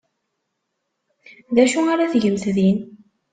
D acu ara tgemt din?